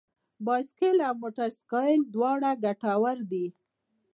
بايسکل او موټر سايکل دواړه ګټور دي.